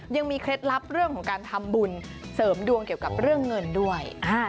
เคล็ดลับเรื่องของการทำบุญเสริมดวงเกี่ยวกับเรื่องเงินด้วย